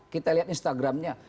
kita lihat instagramnya